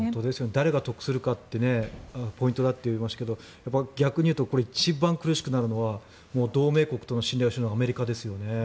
誰が得するかがポイントだと言ってましたが逆に言うと一番苦しくなるのは同盟国との信頼を失うアメリカですよね。